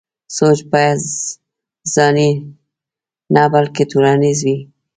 سوچ بايد ځاني نه بلکې ټولنيز وي.